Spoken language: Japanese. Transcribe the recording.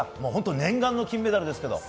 念願の金メダルですけど。